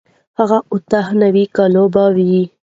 هغه اتو نهو کالو به و.